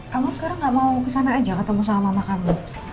kamu sekarang nggak mau kesana aja ketemu sama mama kamu